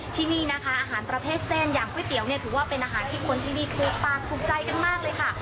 ที่นี่นะคะอาหารประเภทเส้นอย่างก๋วยเตี๋ยวเนี่ยถือว่าเป็นอาหารที่คนที่นี่ถูกปากถูกใจกันมากเลยค่ะ